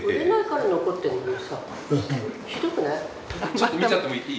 ちょっと見ちゃってもいい？